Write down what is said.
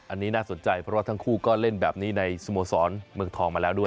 อันนี้น่าสนใจเพราะว่าทั้งคู่ก็เล่นแบบนี้ในสโมสรเมืองทองมาแล้วด้วย